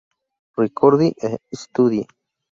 Ricordi e Studi".